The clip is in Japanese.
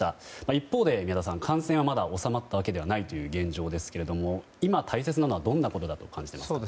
一方で宮田さん感染はまだ収まったわけではない現状ですけれども今大切なのはどんなことだと感じていますか？